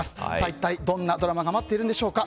一体どんなドラマが待っているんでしょうか。